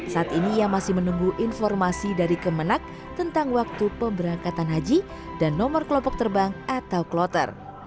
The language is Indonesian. saat ini ia masih menunggu informasi dari kemenak tentang waktu pemberangkatan haji dan nomor kelompok terbang atau kloter